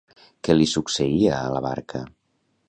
Què li succeïa a la barca?